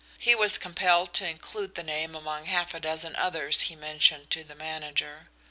He was compelled to include the name among half a dozen others he mentioned to the manager.